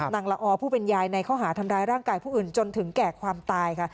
ละออผู้เป็นยายในข้อหาทำร้ายร่างกายผู้อื่นจนถึงแก่ความตายค่ะ